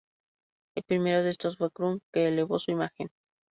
El primero de estos fue "Krug", que elevó su imagen.